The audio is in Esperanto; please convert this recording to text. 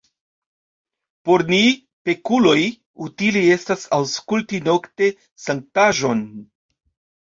Por ni, pekuloj, utile estas aŭskulti nokte sanktaĵon!